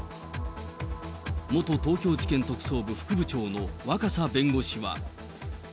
元東京地検特捜部副部長の若狭弁護士は。